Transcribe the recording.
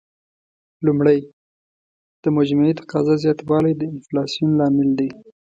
لومړی: د مجموعي تقاضا زیاتوالی د انفلاسیون لامل دی.